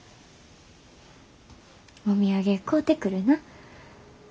お土産買うてくるな。